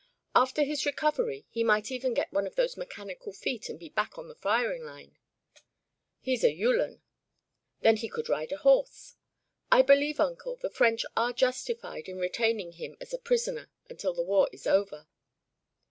After his recovery he might even get one of those mechanical feet and be back on the firing line." "He's a Uhlan." "Then he could ride a horse. I believe, Uncle, the French are justified in retaining him as a prisoner until the war is over."